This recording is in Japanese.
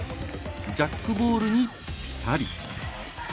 ジャックボールにぴたり！